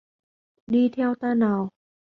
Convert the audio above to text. Đi theo ta nào